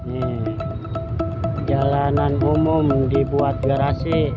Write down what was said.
ini jalanan umum dibuat garasi